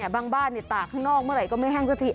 บางบ้านตากข้างนอกเมื่อไหร่ก็ไม่แห้งกะทิ